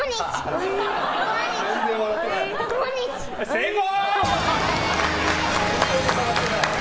成功！